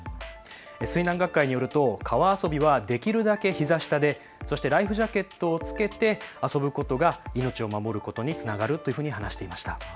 水難学会によると川遊びはできるだけひざ下でそしてライフジャケットを着けて遊ぶことが命を守ることにつながると話していました。